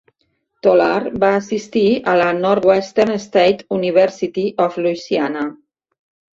Tolar va assistir a la Northwestern State University of Louisiana.